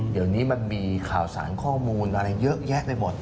เดี๋ยวนี้มันมีข่าวสารข้อมูลอะไรเยอะแยะไปหมด